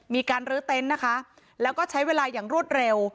รื้อเต็นต์นะคะแล้วก็ใช้เวลาอย่างรวดเร็ว